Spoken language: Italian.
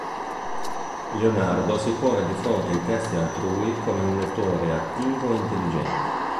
Leonardo si pone di fronte ai testi altrui come un lettore attivo e intelligente.